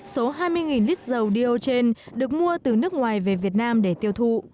số hai mươi lít dầu dia trên được mua từ nước ngoài về việt nam để tiêu thụ